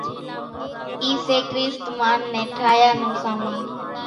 اِي سي ڪريست مان نين ٺاھيا نون سامان